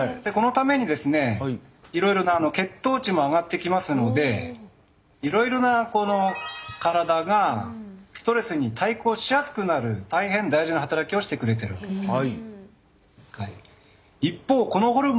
このためにですねいろいろな血糖値も上がってきますのでいろいろなこの体がストレスに対抗しやすくなる大変大事な働きをしてくれてるわけです。